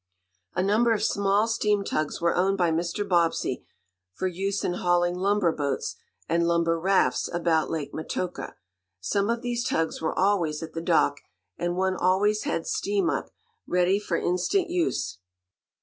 A number of small steam tugs were owned by Mr. Bobbsey for use in hauling lumber boats, and lumber rafts about Lake Metoka. Some of these tugs were always at the dock, and one always had steam up, ready for instant use.